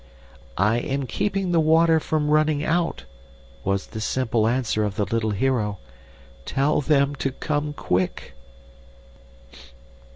"'I am keeping the water from running out,' was the simple answer of the little hero. 'Tell them to come quick.